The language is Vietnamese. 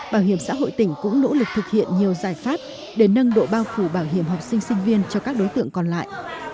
bảo hiểm xã hội tỉnh cũng nỗ lực thực hiện nhiều giải pháp để nâng độ bao phủ bảo hiểm học sinh sinh viên cho các đối tượng còn lại